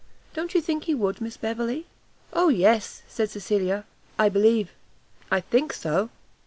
Don't you think he would, Miss Beverley?" "O yes!" said Cecilia, "I believe I think so!"